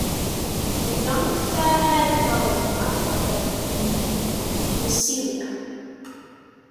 The young, fair-haired girl in black velvet, the medium, was Celia.